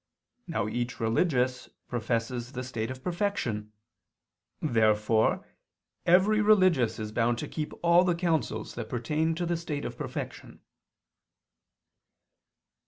Now each religious professes the state of perfection. Therefore every religious is bound to keep all the counsels that pertain to the state of perfection.